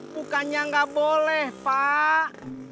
bukannya nggak boleh pak